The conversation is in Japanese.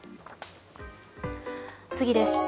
次です。